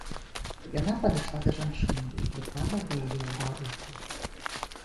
Яна падышла да жанчыны і прыклала да яе лба руку.